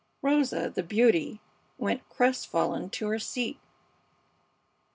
Rosa, the beauty, went crestfallen to her seat.